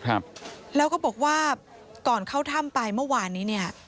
ครับแล้วก็บอกว่าก่อนเข้าถ้ำไปเมื่อวานนี้เนี่ย